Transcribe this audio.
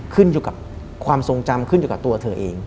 ขึ้นอยู่กับความทรงจำขึ้นอยู่กับตัวเธอเอง